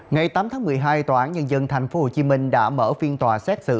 ngày tám tháng một mươi hai tòa án nhân dân tp hcm đã mở phiên tòa xét xử